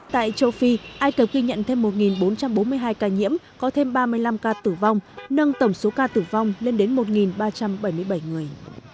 tại châu phi ai cập ghi nhận thêm một bốn trăm bốn mươi hai ca nhiễm có thêm ba mươi năm ca tử vong nâng tổng số ca tử vong lên đến một ba trăm bảy mươi bảy người